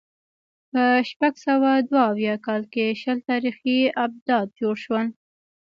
په شپږ سوه دوه اویا کال کې شل تاریخي آبدات جوړ شول